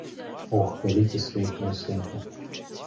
Ох, вялікі свет, мой сынку!